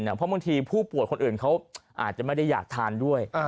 เพราะบางทีผู้ป่วยคนอื่นเขาอาจจะไม่ได้อยากทานด้วย